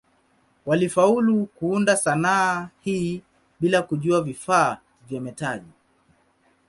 Walifaulu kuunda sanaa hii bila kujua vifaa vya metali.